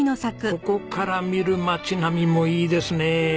ここから見る町並みもいいですね。